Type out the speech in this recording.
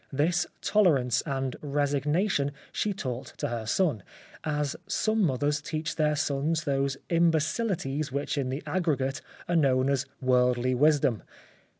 This tolerance and resignation she taught to her son, as some mothers teach their sons those imbe cilities which in the aggregate are known as worldly wisdom.